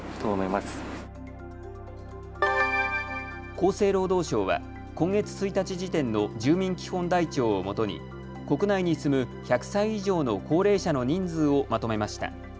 厚生労働省は今月１日時点の住民基本台帳をもとに国内に住む１００歳以上の高齢者の人数をまとめました。